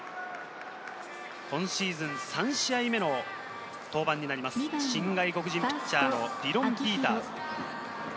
今シーズン３試合目の登板になります、新外国人ピッチャーのディロン・ピーターズ。